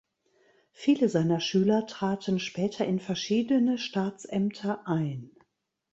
Viele seiner Schüler traten später in verschiedene Staatsämter ein.